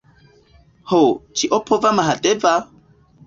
Ho, ĉiopova Mahadeva!